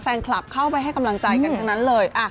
แฟนคลับเข้าไปให้กำลังใจกันทั้งนั้นเลย